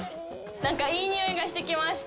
なんか、いい匂いがしてきました。